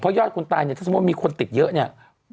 ยอดคนตายเนี่ยถ้าสมมุติมีคนติดเยอะเนี่ย